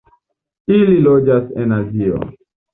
Ili loĝas en Azio.